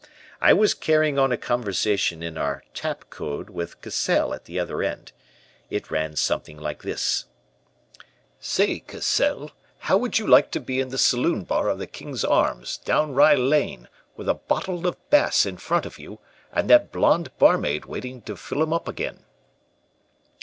"I was carrying on a conversation in our 'tap' code with Cassell at the other end. It ran something like this: "'Say, Cassell, how would you like to be in the saloon bar of the King's Arms down Rye Lane with a bottle of Bass in front of you, and that blonde barmaid waiting to fill 'em up again?'